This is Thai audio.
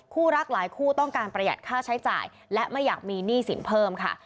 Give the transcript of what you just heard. รักหลายคู่ต้องการประหยัดค่าใช้จ่ายและไม่อยากมีหนี้สินเพิ่มค่ะ